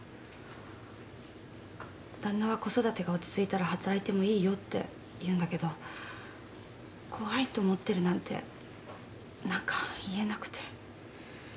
旦那は子育てが落ち着いたら働いてもいいよって言うんだけど怖いと思ってるなんて何か言えなくて。